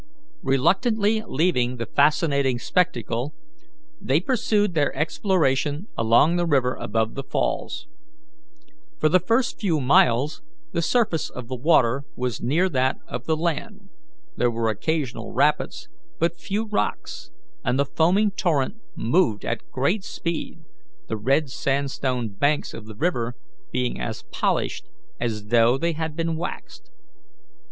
Reluctantly leaving the fascinating spectacle, they pursued their exploration along the river above the falls. For the first few miles the surface of the water was near that of the land; there were occasional rapids, but few rocks, and the foaming torrent moved at great speed, the red sandstone banks of the river being as polished as though they had been waxed.